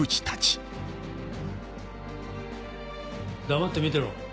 黙って見てろ。